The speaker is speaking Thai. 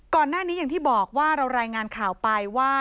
ก่อนหน้านี้อย่างที่บอกว่าเรารายงานข่าวไปว่า